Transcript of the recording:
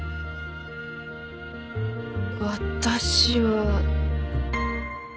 私は。